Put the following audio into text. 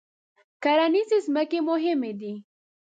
کرنیزې ځمکې مهمې دي.